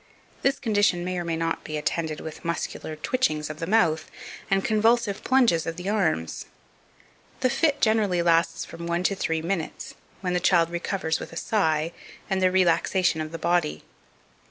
This condition may or may not be attended with muscular twitchings of the mouth, and convulsive plunges of the arms. The fit generally lasts from one to three minutes, when the child recovers with a sigh, and the relaxation of the body.